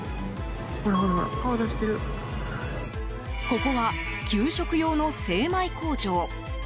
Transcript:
ここは給食用の精米工場。